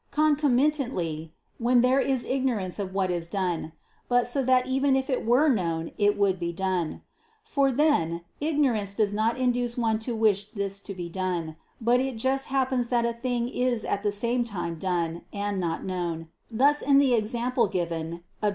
"Concomitantly," when there is ignorance of what is done; but, so that even if it were known, it would be done. For then, ignorance does not induce one to wish this to be done, but it just happens that a thing is at the same time done, and not known: thus in the example given (Obj.